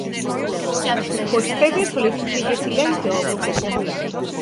Vostede solicítelle silencio ao Grupo Popular.